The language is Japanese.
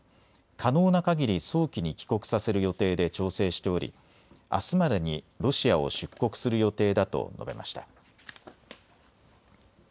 可能なかぎり早期に帰国させる予定で調整しておりあすまでにロシアを出国する予定だと述べました。